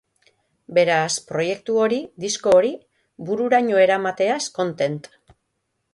Beraz, proiektu hori, disko hori, bururaino eramateaz kontent.